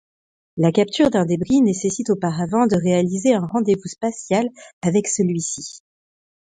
La capture d'un débris nécessite auparavant de réaliser un rendez-vous spatial avec celui-ci.